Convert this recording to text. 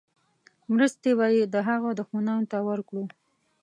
مرستې به یې د هغه دښمنانو ته ورکړو.